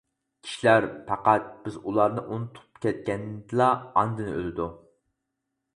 كىشىلەر پەقەت بىز ئۇلارنى ئۇنتۇپ كەتكەندىلا ئاندىن ئۆلىدۇ.